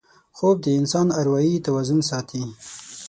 خوب د انسان اروايي توازن ساتي